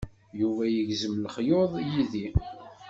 Yuba yegzem lexyuḍ yid-i.